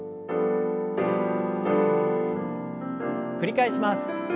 繰り返します。